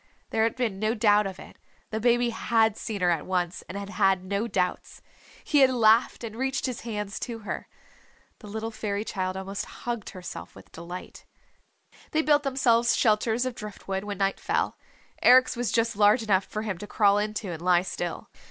There had been no doubt of it the baby had seen her at once, and had had no doubts. He had laughed and reached his hands to her. The little Fairy Child almost hugged herself with delight. ... They built themselves shelters of drift wood when night fell. Eric's was just large enough for him to crawl into and lie still.